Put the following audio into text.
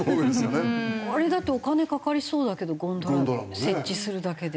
あれだってお金かかりそうだけどゴンドラ設置するだけで。